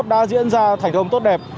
đã diễn ra thành công tốt đẹp